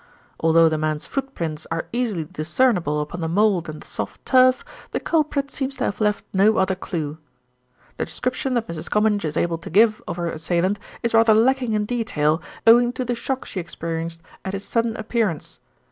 Although the man's footprints are easily discernible upon the mould and the soft turf, the culprit seems to have left no other clue. The description that Mrs. Comminge is able to give of her assailant is rather lacking in detail, owing to the shock she experienced at his sudden appearance.